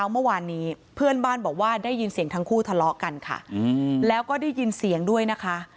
เมื่อวานนี้เพื่อนบ้านบอกว่าได้ยินเสียงทั้งคู่ทะเลาะกันค่ะแล้วก็ได้ยินเสียงด้วยนะคะ